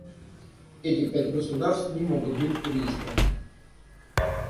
Эти пять государств не могут быть переизбраны.